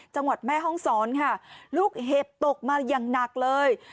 จังหวัดแม่ฮ่องศรค่ะลูกเห็บตกมาอย่างหนักเลย